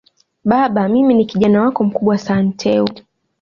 Baba mimi ni Kijana wako mkubwa Santeu